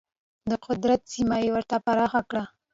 د قدرت سیمه یې ورته پراخه کړه.